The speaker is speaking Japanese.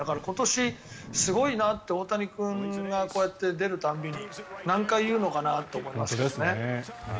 今年、すごいなって大谷君がこうやって出る度に何回言うのかなと思いますね。